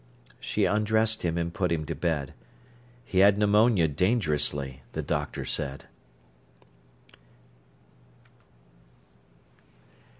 She undressed him and put him to bed. He had pneumonia dangerously, the doctor said.